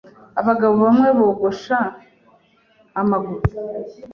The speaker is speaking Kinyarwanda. Abagabo bamwe bogosha amaguru.